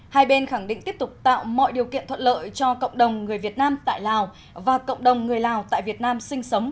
hai bên khẳng định tiếp tục tạo mọi điều kiện thuận lợi cho cộng đồng người việt nam tại lào và cộng đồng người lào tại việt nam sinh sống